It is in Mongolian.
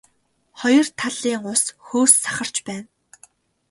Хоёр талын ус хөөс сахарч байна.